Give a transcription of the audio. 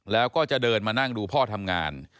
แล้วก็จะเดินมานั่งดูพ่อทำงาน